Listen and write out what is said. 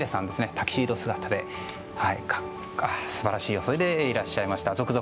タキシード姿で素晴らしい装いでいらっしゃいました。